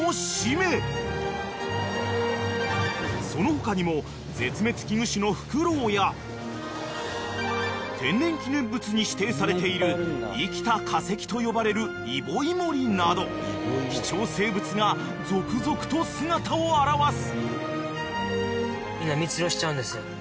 ［その他にも絶滅危惧種のフクロウや天然記念物に指定されている生きた化石と呼ばれるイボイモリなど貴重生物が続々と姿を現す］